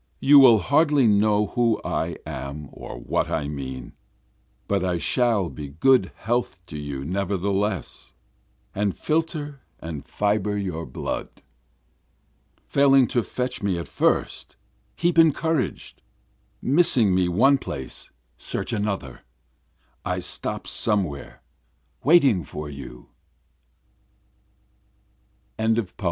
You will hardly know who I am or what I mean, But I shall be good health to you nevertheless, And filter and fibre your blood. Failing to fetch me at first keep encouraged, Missing me one place search another, I stop somewhere waiting for you. BOOK IV.